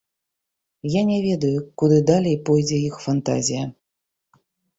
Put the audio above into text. Я не ведаю, куды далей пойдзе іх фантазія.